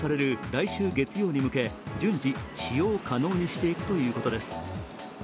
来週月曜に向け順次使用可能にしていくということです。